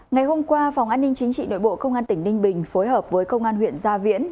ngày hôm qua phòng an ninh chính trị nội bộ công an tỉnh ninh bình phối hợp với công an huyện gia viễn